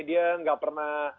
dia nggak pernah